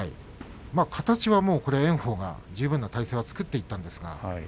形は炎鵬、十分な体勢を作っていたんですが。